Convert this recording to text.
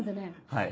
はい。